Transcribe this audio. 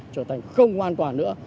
trở thành không an toàn nữa